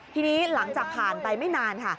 ทีนี้หลังจากผ่านไปไม่นานค่ะ